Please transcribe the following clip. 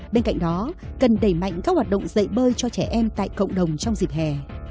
bên cạnh đó cần đẩy mạnh các hoạt động dạy bơi cho trẻ em tại cộng đồng trong dịp hè